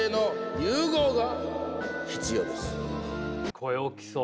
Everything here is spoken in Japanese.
声大きそう。